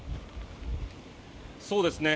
そうですね。